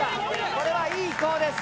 これはいい飛行です。